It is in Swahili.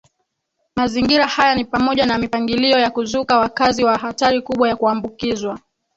Mazingira haya ni pamoja na mipangilio ya kuzuka wakazi wa hatari kubwa ya kuambukizwa